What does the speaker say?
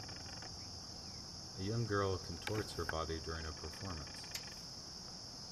A young girl contorts her body during a performance.